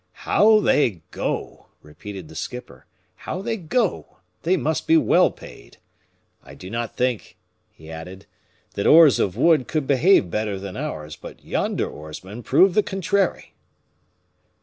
"How they go," repeated the skipper, "how they go! They must be well paid! I did not think," he added, "that oars of wood could behave better than ours, but yonder oarsmen prove the contrary."